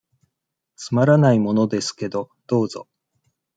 つまらないものですけど、どうぞ。